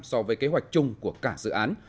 so với kế hoạch chung của cả dự án